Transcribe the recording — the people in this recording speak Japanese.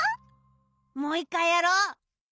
もう１かいやろう！